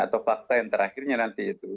atau fakta yang terakhirnya nanti itu